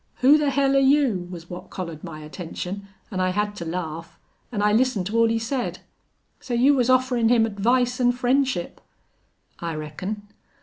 'Who the hell are you?' was what collared my attention, an' I had to laugh. An' I listened to all he said. So you was offerin' him advice an' friendship?" "I reckon."